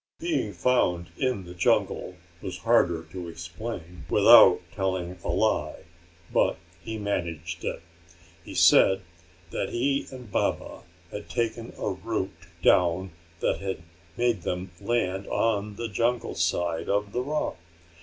Being found in the jungle was harder to explain without telling a lie but he managed it. He said that he and Baba had taken a route down that had made them land on the jungle side of the rock.